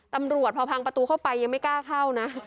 ตำรวจพอพังประตูเข้าไปยังไม่กล้าเข้านะ